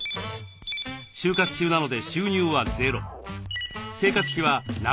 就活中なので収入はゼロ。